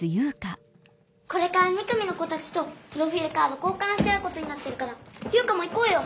これから２組の子たちとプロフィールカード交かんし合うことになってるから優花も行こうよ！